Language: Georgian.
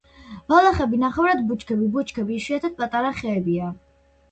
ბალახები, ნახევრად ბუჩქები, ბუჩქები, იშვიათად პატარა ხეებია.